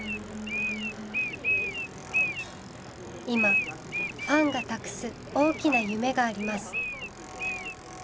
今ファンが託す大きな夢があります。